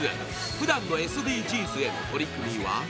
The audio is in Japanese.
ふだんのＳＤＧｓへの取り組みは？